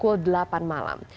pukul delapan malam